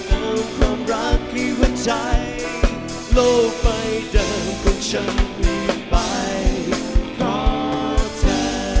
เอาความรักให้หัวใจโลกไปเดินคนฉันมีไปเพราะเธอ